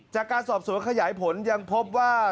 จากการสอบสวนขยายผลยังพบว่า